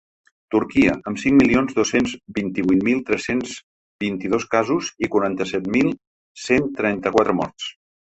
Turquia, amb cinc milions dos-cents vint-i-vuit mil tres-cents vint-i-dos casos i quaranta-set mil cent trenta-quatre morts.